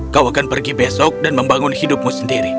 kau akan pergi besok dan membangun hidupmu sendiri